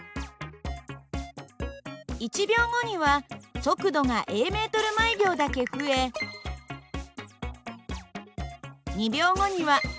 １秒後には速度がａｍ／ｓだけ増え２秒後には２×